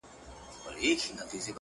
څه ژوندون دی څه غمونه څه ژړا ده’